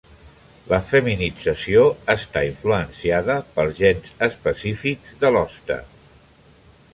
La feminització està influenciada pels gens específics de l'hoste.